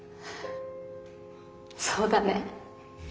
そうだね。